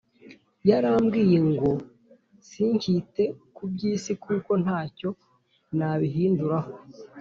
Yarambwiye ngo sinkite kubyisi kuko ntacyo nabihinduraho